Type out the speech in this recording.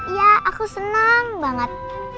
iya aku senang banget